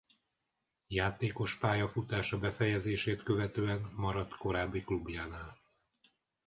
Játékos pályafutása befejezését követően maradt korábbi klubjánál.